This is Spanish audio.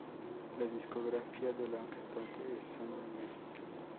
La discográfica de la cantante es Sony Music.